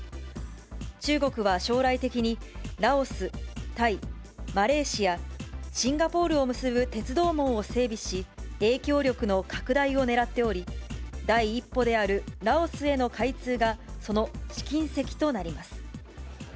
中国は将来的にラオス、タイ、マレーシア、シンガポールを結ぶ鉄道網を整備し、影響力の拡大をねらっており、第一歩であるラオスへの開通がその試金石となります。